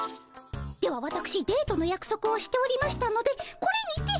ではわたくしデートのやくそくをしておりましたのでこれにて。